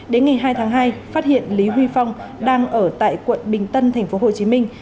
đến ngày hai tháng hai phát hiện lý huy phong đang ở tại quận bình tân thành phố hồ chí minh